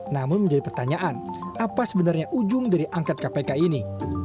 namun menjadi pertanyaan apa sebenarnya ujung dari angket kpk ini